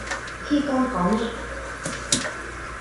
Khi con có mẹ